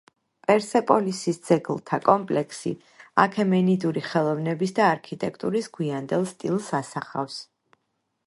პერსეპოლისის ძეგლთა კომპლექსი აქემენიდური ხელოვნების და არქიტექტურის გვიანდელ სტილს ასახავს.